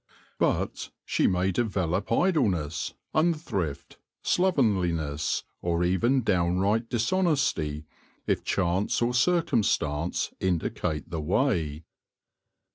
But she may develop idle ness, unthrift, slovenliness, or even downright dis honesty, if chance or circumstance indicate the way.